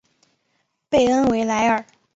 贝恩维莱尔。